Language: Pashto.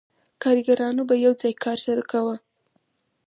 کارګرانو به یو ځای کار سره کاوه